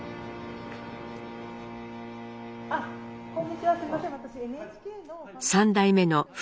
あこんにちはすいません。